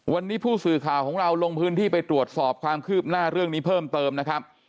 วันนี้ผู้สื่อข่าวของเราลงพื้นที่ไปตรวจสอบความคืบหน้าเรื่องนี้เพิ่มเติมนะครับ